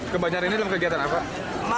kebanyar ini dalam kegiatan apa